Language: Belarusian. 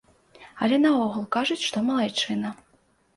Але наогул, кажуць, што малайчына.